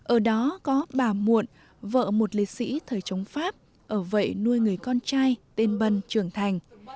ở đó có bà muộn vợ một liệt sĩ thời chống pháp ở vậy nuôi người con trai tên bân trưởng thành